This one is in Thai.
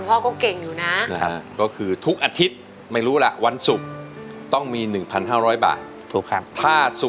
อาทิตย์ละ๑๕๐๐บาท